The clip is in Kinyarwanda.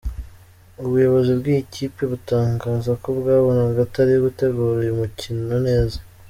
Ubuyobozi bw’iyi kipe butangaza ko bwabonaga atari gutegura uyu mukino neza.